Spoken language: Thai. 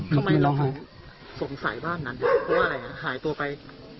ทำไมเราถึงสงสัยบ้านนั้นเพราะว่าอะไรหายตัวไป